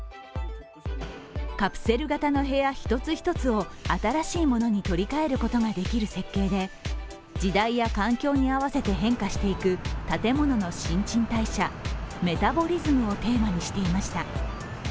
カプセル型の部屋１つ１つを新しいものに取り替えることができる設計で、時代や環境に合わせて変化していく建物の新陳代謝メタボリズムをテーマにしていました。